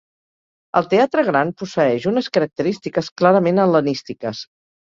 El Teatre gran posseeix unes característiques clarament hel·lenístiques.